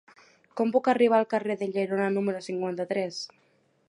Com puc arribar al carrer de Llerona número cinquanta-tres?